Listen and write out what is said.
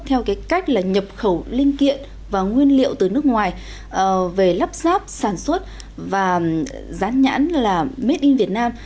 theo cái cách là nhập khẩu linh kiện và nguyên liệu từ nước ngoài về lắp ráp sản xuất và rán nhãn là made in vietnam